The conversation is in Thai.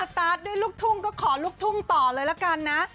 ตาร์ทด้วยลูกทุ่งก็ขอลูกทุ่งต่อเลยละกันนะ